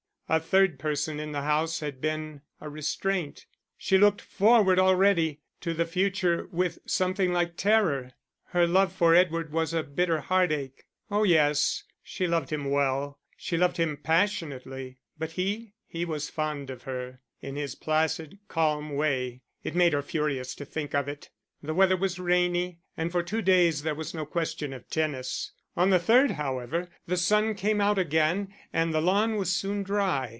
A third person in the house had been a restraint. She looked forward already to the future with something like terror; her love for Edward was a bitter heartache. Oh yes, she loved him well, she loved him passionately; but he he was fond of her, in his placid, calm way; it made her furious to think of it. The weather was rainy, and for two days there was no question of tennis. On the third, however, the sun came out again, and the lawn was soon dry.